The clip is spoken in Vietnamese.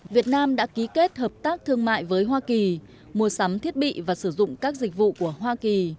việt nam đã ký kết hợp tác thương mại với hoa kỳ mua sắm thiết bị và sử dụng các dịch vụ của hoa kỳ